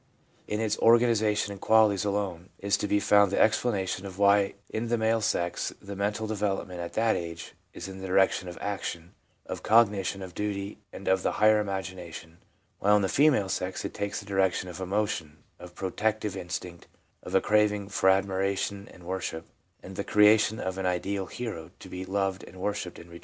In its organisation and qualities alone is to be found the explanation of why in the male sex the mental development at that age is in the direction of action, of cognition, of duty, and of the higher imagination, while in the female sex it takes the direction of emotion, of protective instinct, of a craving for admiration and worship, and of the creation of an ideal " hero " to be loved and worshipped in return.'